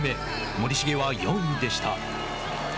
森重は４位でした。